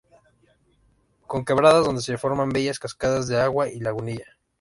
Con quebradas donde se forman bellas cascadas de agua y lagunillas.